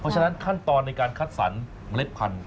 เพราะฉะนั้นขั้นตอนในการคัดสรรเมล็ดพันธุ